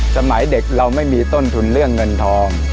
สมัยเด็กเราไม่มีต้นทุนเรื่องเงินทอง